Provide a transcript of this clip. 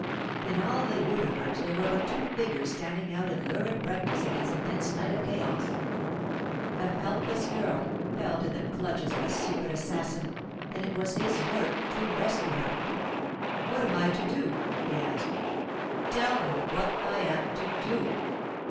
In all the universe there were but two figures standing out in lurid brightness against the dense night of chaos a helpless girl held in the clutches of a secret assassin; and it was his work to rescue her. "What am I to do?" he asked. "Tell me what I am to do."